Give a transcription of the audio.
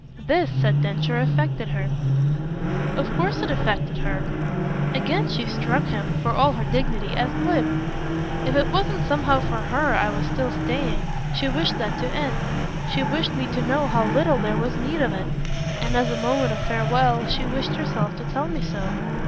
This," said Densher, "affected her." "Of course it affected her." Again she struck him, for all her dignity, as glib. "If it was somehow for HER I was still staying, she wished that to end, she wished me to know how little there was need of it. And as a manner of farewell she wished herself to tell me so."